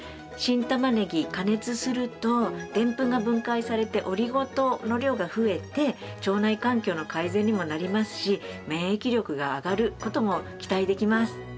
新玉ねぎ加熱するとでんぷんが分解されてオリゴ糖の量が増えて腸内環境の改善にもなりますし免疫力が上がる事も期待できます。